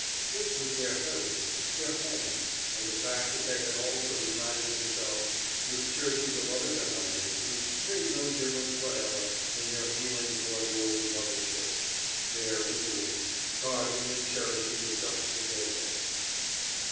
This was their heritage, their home, and the fact that they had also united themselves with churches of other denominations made no difference whatever in their feeling toward the old mother church, there in the woods, guarding and cherishing the dust of their dead.